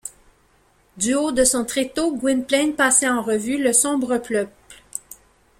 Du haut de son tréteau, Gwynplaine passait en revue le sombre peuple.